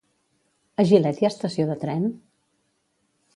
A Gilet hi ha estació de tren?